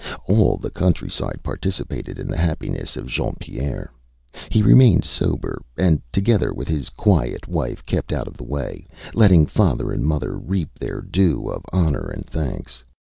All the countryside participated in the happiness of Jean Pierre. He remained sober, and, together with his quiet wife, kept out of the way, letting father and mother reap their due of honour and thanks.